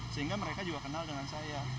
sehingga mereka juga kenal dengan saya